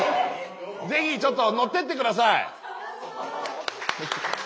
ぜひちょっと乗ってって下さい。